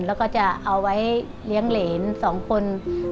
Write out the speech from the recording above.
แล้วก็จะเอาไว้เลี้ยงเหรน๒คน